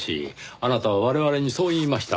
あなたは我々にそう言いました。